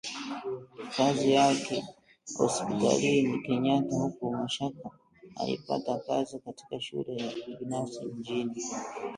kazi yake hospitalini Kenyatta huku Mashaka alipata kazi katika shule ya kibinafsi mjini